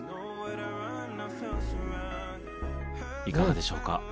いかがでしょうか？